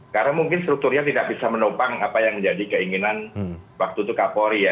karena mungkin strukturnya tidak bisa menopang apa yang menjadi keinginan waktu itu kapolri ya